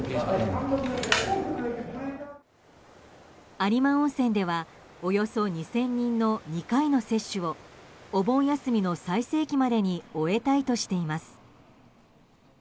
有馬温泉ではおよそ２０００人の２回の接種をお盆休みの最盛期までに終えたいとしています。